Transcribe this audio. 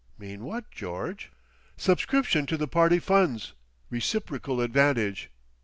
"Mean what, George?" "Subscription to the party funds. Reciprocal advantage.